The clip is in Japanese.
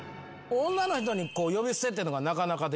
女の人に呼び捨てってのがなかなかできないです。